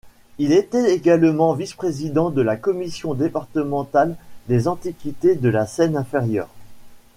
Il était également vice-président de la Commission départementale des Antiquités de la Seine-Inférieure.